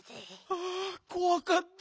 ああこわかった。